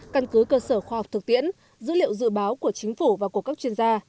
căn cứ cơ sở khoa học thực tiễn dữ liệu dự báo của chính phủ và của các chuyên gia